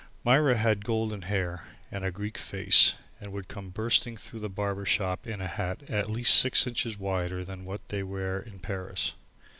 Myra had golden hair and a Greek face and would come bursting through the barber shop in a hat at least six inches wider than what they wear in Paris.